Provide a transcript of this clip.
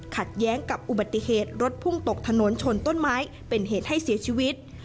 ขัดแย้งกับอุบัติเหตุรถพุ่งตกถนนชนต้นไม้เป็นเหตุให้เสียชีวิต